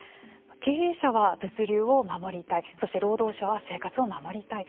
経営者は物流を守りたいそして労働者は生活を守りたい。